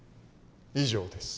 以上です。